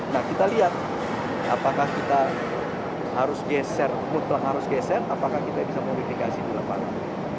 nah kita lihat apakah kita harus geser mutlak harus geser apakah kita bisa modifikasi di lapangan